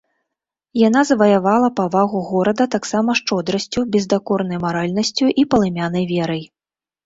Яна заваявала павагу горада таксама шчодрасцю, бездакорнай маральнасцю і палымянай верай.